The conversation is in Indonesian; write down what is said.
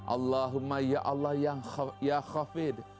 allahumma ya allah yang ya khafid